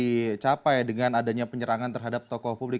dicapai dengan adanya penyerangan terhadap tokoh publik